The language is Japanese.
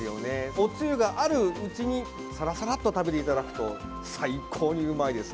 おつゆがあるうちにサラサラっと食べていただくと最高にうまいです。